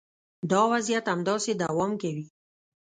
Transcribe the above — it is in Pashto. دا وضعیت همداسې دوام کوي